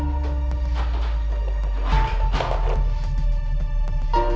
aku mau ke rumah